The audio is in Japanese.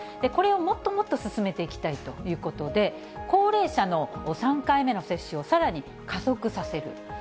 これをもっともっと進めていきたいということで、高齢者の３回目の接種をさらに加速させる。